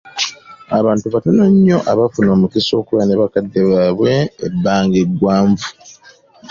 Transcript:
Abantu batono nnyo abafuna omukisa okubeera ne bakadde baabwe ebbanga eggwanvu .